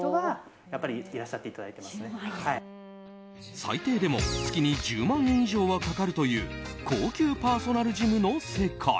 最低でも月に１０万円以上はかかるという高級パーソナルジムの世界。